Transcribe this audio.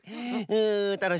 うたのしい。